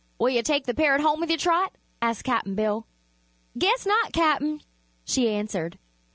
"Will you take the parrot home with you, Trot?" asked Cap'n Bill. "Guess not, Cap'n," she answered.